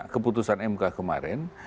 keputusan mk kemarin